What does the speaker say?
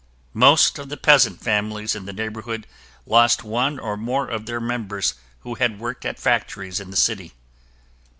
Most of the peasant families in the neighborhood lost one or more of their members who had worked at factories in the city.